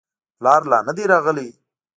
پلار لا نه دی راغلی.